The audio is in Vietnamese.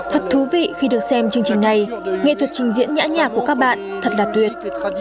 thật thú vị khi được xem chương trình này nghệ thuật trình diễn nhã nhạc của các bạn thật là tuyệt